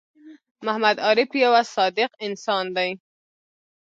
محمد عارف یوه صادق انسان دی